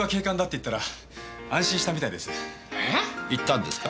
言ったんですか？